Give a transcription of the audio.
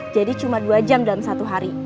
jadi cuma dua jam dalam satu hari